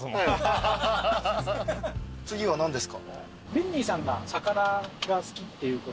次は何ですか？